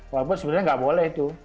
walaupun sebenarnya nggak boleh itu